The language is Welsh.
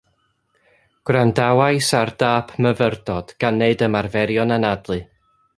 Gwrandawais ar dâp myfyrdod gan neud ymarferion anadlu